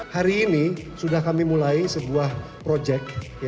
hari ini sudah kami mulai sebuah proyek